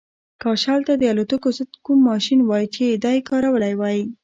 کاش هلته د الوتکو ضد کوم ماشین وای چې دی کارولی وای